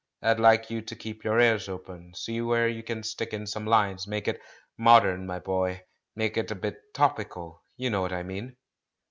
I'd like you to keep your ears open, see where you can stick in some lines. Make it modern, my boy, make it a bit topical; you know what I mean?"